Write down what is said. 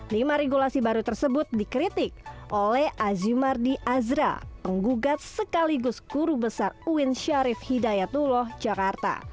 lima regulasi baru tersebut dikritik oleh azimardi azra penggugat sekaligus guru besar uin syarif hidayatullah jakarta